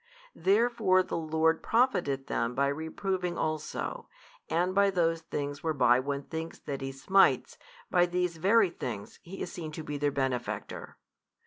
Therefore the Lord profiteth them by reproving also, and by those things whereby one thinks that He smites, by these very things He is seen to be their Benefactor.